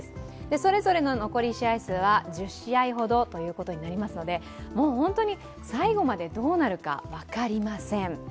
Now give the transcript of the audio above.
それぞれの残り試合数は１０試合ほどということになりますのでもう本当に最後までどうなるか分かりません。